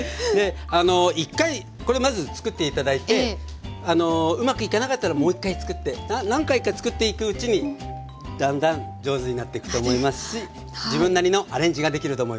１回これまずつくって頂いてうまくいかなかったらもう１回つくって何回かつくっていくうちにだんだん上手になっていくと思いますし自分なりのアレンジができると思います。